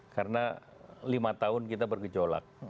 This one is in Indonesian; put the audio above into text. karena lima tahun kita bergejolak